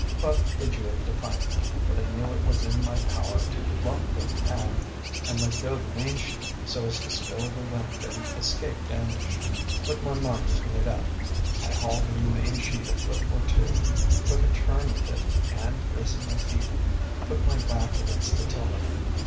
But they jeered defiantly, for they knew it was in my power to luff the helm and let go the main sheet, so as to spill the wind and escape damage. But my mind was made up. I hauled in the main sheet a foot or two, took a turn with it, and bracing my feet, put my back against the tiller.